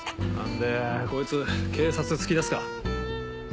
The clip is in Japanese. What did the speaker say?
でこいつ警察突き出すか？